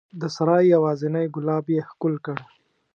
د سرای یوازینی ګلاب یې ښکل کړ